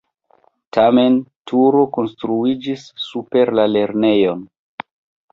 Tiam turo konstruiĝis super la lernejon.